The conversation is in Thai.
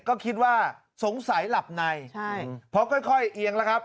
ก็คิดว่าสงสัยหลับในใช่เพราะค่อยเอียงแล้วครับ